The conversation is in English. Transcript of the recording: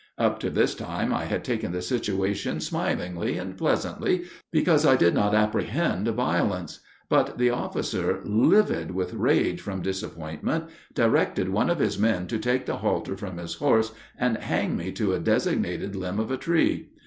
Up to this time I had taken the situation smilingly and pleasantly, because I did not apprehend violence; but the officer, livid with rage from disappointment, directed one of his men to take the halter from his horse and hang me to a designated limb of a tree.